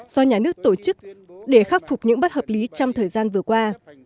do nhà nước tổ chức để khắc phục những bất hợp lý trong thời gian vừa qua